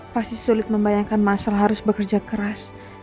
pasti sulit membayangkan masalah harus bekerja keras